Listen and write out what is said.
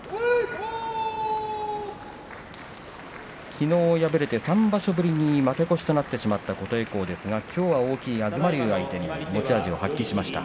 きのう敗れて３場所ぶりに負け越しとなった琴恵光ですがきょうは大きな東龍を相手に持ち味を発揮しました。